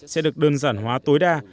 sẽ được đơn giản hóa tối đa